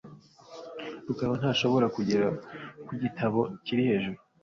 rukara ntashobora kugera ku gitabo kiri hejuru .